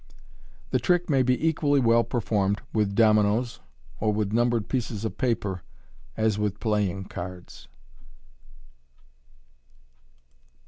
The trick may be equally well performed with dominoes, or with cumbered pieces of paper, as with playing cards.